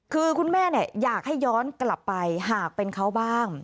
คือคุณแม่อยากให้ย้อนกลับไปหากเป็นเขาบ้าง